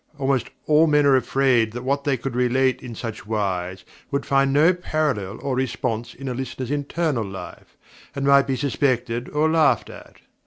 Almost all men are afraid that what they could relate in such wise would find no parallel or response in a listener's internal life, and might be suspected or laughed at.